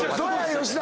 吉田。